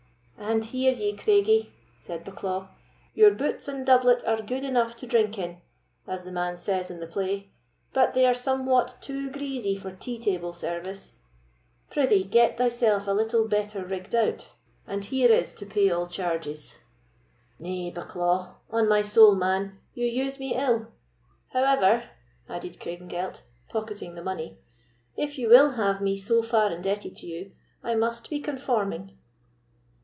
"And hear ye, Craigie," said Bucklaw; "your boots and doublet are good enough to drink in, as the man says in the play, but they are somewhat too greasy for tea table service; prithee, get thyself a little better rigged out, and here is to pay all charges." "Nay, Bucklaw; on my soul, man, you use me ill. However," added Craigengelt, pocketing the money, "if you will have me so far indebted to you, I must be conforming."